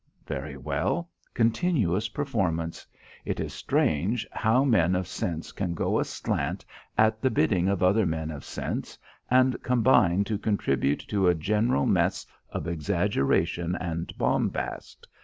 Very well: continuous performance. It is strange how men of sense can go aslant at the bidding of other men of sense and combine to contribute to a general mess of exaggeration and bombast.